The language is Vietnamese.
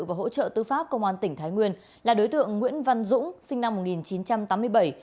và hỗ trợ tư pháp công an tỉnh thái nguyên là đối tượng nguyễn văn dũng sinh năm một nghìn chín trăm tám mươi bảy